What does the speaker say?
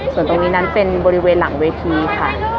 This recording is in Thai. ส่วนตรงนี้นั้นเป็นบริเวณหลังเวทีค่ะ